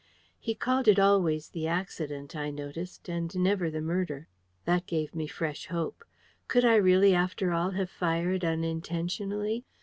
He called it always the accident, I noticed, and never the murder. That gave me fresh hope. Could I really after all have fired unintentionally?